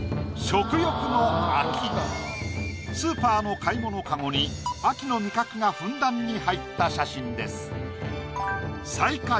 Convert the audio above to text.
スーパーの買い物籠に秋の味覚がふんだんに入った写真です。